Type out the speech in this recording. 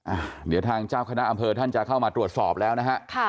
อ่ะเดี๋ยวทางเจ้าคณะอำเภอท่านจะเข้ามาตรวจสอบแล้วนะฮะค่ะ